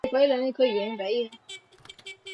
iwapo itakuwa imehusika kuingiza shehena za silaha